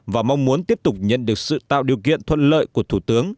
và mong muốn tiếp tục nhận được sự tạo điều kiện thuận lợi của thủ tướng